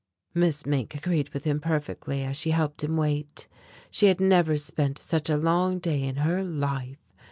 Miss Mink agreed with him perfectly as she helped him wait. She had never spent such a long day in her life.